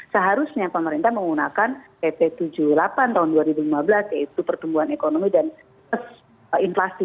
seharusnya pemerintah menggunakan pp tujuh puluh delapan tahun dua ribu lima belas yaitu pertumbuhan ekonomi dan inflasi